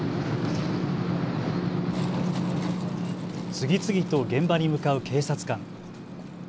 次々と現場に向かう警察官。